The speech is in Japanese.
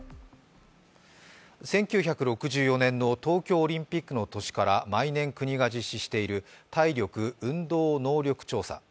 １９６４年の東京オリンピックの年から毎年国が実施している体力・運動能力調査。